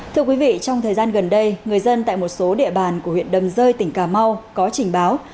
thưa quý vị trong thời gian gần đây người dân tại một số địa bàn của huyện đầm rơi tỉnh cà mau có trình báo